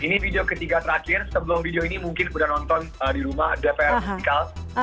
ini video ketiga terakhir sebelum video ini mungkin sudah nonton di rumah dpr rical